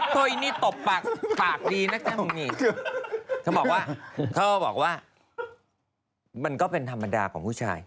เธอบอกว่าเธอบอกว่ามันก็เป็นธรรมดาของผู้ชาย